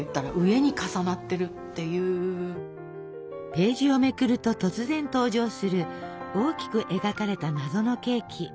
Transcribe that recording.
ページをめくると突然登場する大きく描かれた謎のケーキ。